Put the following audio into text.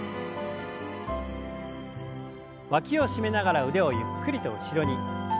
わきを締めながら腕をゆっくりと後ろに。